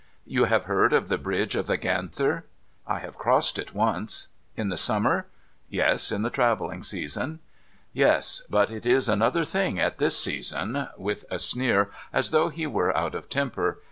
You have heard of the Bridge of the Ganther ?'' I have crossed it once.' * In the summer ?'' Yes ; in the travelling season.' ' Yes ; but it is another thing at this season ;' with a sneer, as though he were out of temper.